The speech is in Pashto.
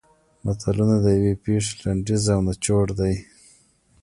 متلونه د یوې پېښې لنډیز او نچوړ دي